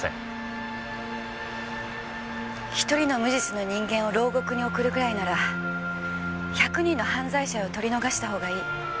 １人の無実の人間を牢獄に送るぐらいなら１００人の犯罪者を取り逃がしたほうがいい。